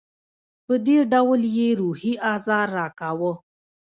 په دې ډول یې روحي آزار راکاوه.